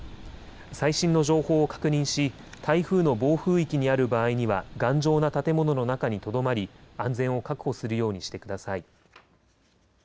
最新の情報を確認し台風の暴風域にある場合には頑丈な建物の中にとどまり安全を確保するようにしてください。